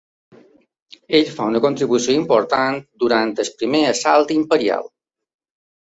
Ell fa una contribució important durant el primer assalt imperial.